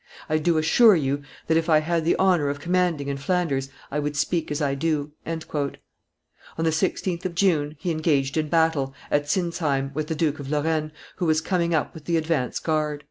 I do assure you that, if I had the honor of commanding in Flanders, I would speak as I do." On the 16th of June he engaged in battle, at Sinzheim, with the Duke of Lorraine, who was coming up with the advance guard.